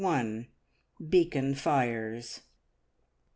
BEACON FIRES.